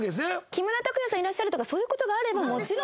木村拓哉さんいらっしゃるとかそういう事があればもちろん。